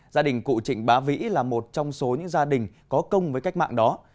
gia đình cụ trịnh bá vĩ là một trong số những gia đình có công với cách mạng đó